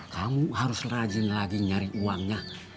kamu harus rajin lagi nyari uangnya